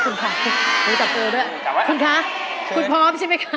เรื่องแต่ตัวเองด้วยคุณค่ะคุณพร้อมใช่ไหมคะ